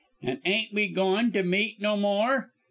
'An' ain't we goin' to meet no more?'